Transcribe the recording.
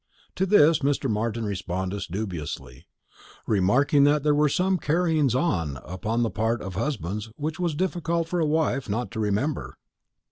To this Mr. Martin responded dubiously, remarking that there were some carryings on upon the part of husbands which it was difficult for a wife not to remember.